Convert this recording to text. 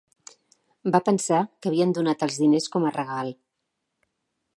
Va pensar que havien donat els diners com a regal.